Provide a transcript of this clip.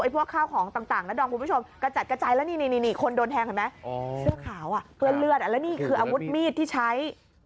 เพื่อเลือดอันนี้คืออาวุธมีดที่ใช้